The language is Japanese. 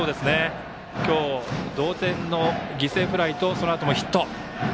今日、同点の犠牲フライとそのあともヒット。